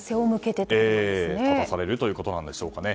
立たされるということなんでしょうかね。